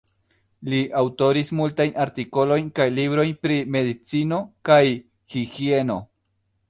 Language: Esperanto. Li aŭtoris multajn artikolojn kaj librojn pri medicino kaj higieno.